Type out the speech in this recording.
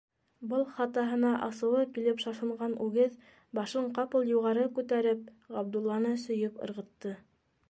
Был хатаһына асыуы килеп шашынған үгеҙ, башын ҡапыл юғары күтәреп, Ғабдулланы сөйөп ырғытты.